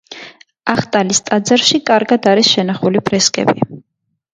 ახტალის ტაძარში კარგად არის შენახული ფრესკები.